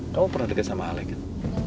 kamu pernah deket sama alec kan